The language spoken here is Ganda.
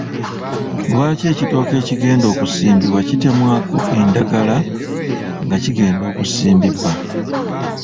Lwaki ekitooke ekigenda okusimbibwa kitemwaka endagala nga kigenda okusibmbiwa?